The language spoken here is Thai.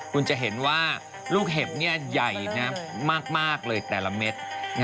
คุณจะเห็นว่าลูกเห็บใหญ่มากเลยแต่ละเม็ด